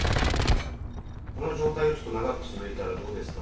この状態がちょっと長く続いたら、どうですか？